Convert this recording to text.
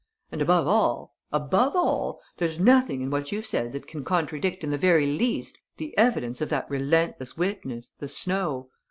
"And, above all, ... above all, there's nothing in what you've said that can contradict in the very least the evidence of that relentless witness, the snow.